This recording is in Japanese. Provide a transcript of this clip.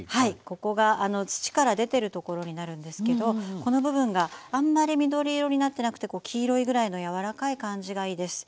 ここが土から出てる所になるんですけどこの部分があんまり緑色になってなくて黄色いぐらいの柔らかい感じがいいです。